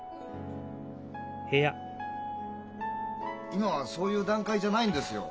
今はそういう段階じゃないんですよ。